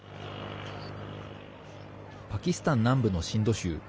パキスタン南部のシンド州。